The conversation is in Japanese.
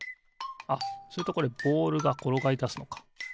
あっするとこれボールがころがりだすのか。